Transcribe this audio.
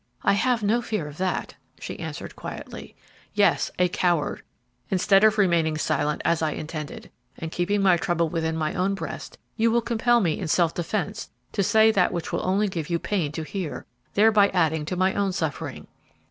"I have no fear of that," she answered, quietly. "Yes, a coward! Instead of remaining silent as I intended, and keeping my trouble within my own breast, you will compel me in self defence to say that which will only give you pain to hear, thereby adding to my own suffering."